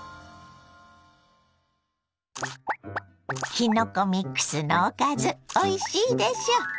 きのこミックスのおかずおいしいでしょ？